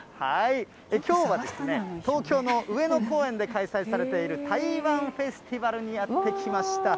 きょうは東京の上野公園で開催されている台湾フェスティバルにやって来ました。